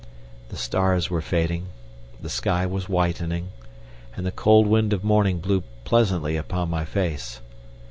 The stars were fading, the sky was whitening, and the cold wind of morning blew pleasantly upon my face.